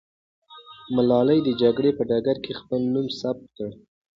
ملالۍ د جګړې په ډګر کې خپل نوم ثبت کړ.